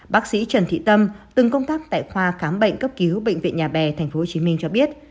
bác sĩ trần thị tâm từng công tác tại khoa khám bệnh cấp cứu bệnh viện nhà bè tp hcm cho biết